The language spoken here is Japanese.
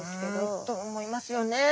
んと思いますよね！